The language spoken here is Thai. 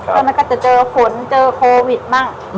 ตอนนั้นจะเจอฝนเจอโควิดบ้าง